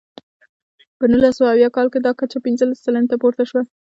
په نولس سوه اویا کال کې دا کچه پنځلس سلنې ته پورته شوه.